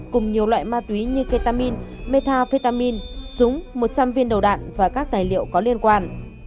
cùng nhiều loại ma túy như ketamin metafetamin súng một trăm linh viên đầu đạn và các tài liệu có liên quan